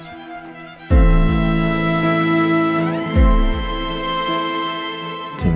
mas bandit tenang